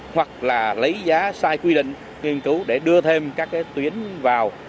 hoặc là lấy giá sai quy định nghiên cứu để đưa thêm các cái tuyến vào